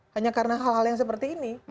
hanya karena hal hal yang seperti ini